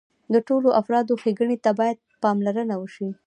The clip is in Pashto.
د ټولو افرادو ښېګڼې ته باید پاملرنه وشي.